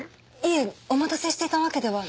いえお待たせしていたわけでは。